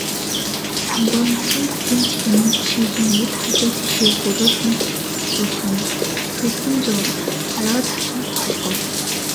Самбуу Насанбатын чихэнд шивгэнээд хажуу тийшээ гүрвэл мэт гулган төдхөн зуур арваад алхам холдов.